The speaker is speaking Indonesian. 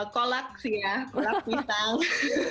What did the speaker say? kolak sih ya kolak pisau